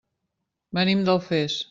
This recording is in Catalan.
Venim d'Alfés.